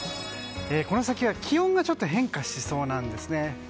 この先は、気温がちょっと変化しそうなんですね。